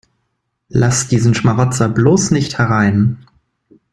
Lass diesen Schmarotzer bloß nicht herein!